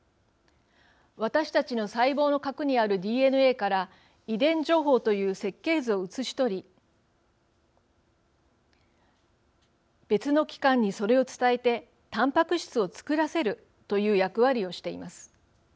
私たちの細胞の核にあるＤＮＡから遺伝情報という設計図を写し取り別の器官にそれを伝えてたんぱく質を作らせるという役割をしています。